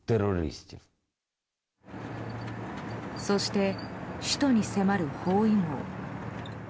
そして首都に迫る包囲網。